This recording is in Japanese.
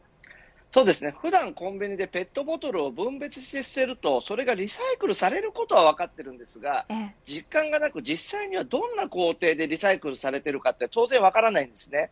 普段コンビニでペットボトルを分別して捨てるとそれがリサイクルされることは分かっているんですが実感がなく実際にはどんな工程でリサイクルされているかは当然分からないです。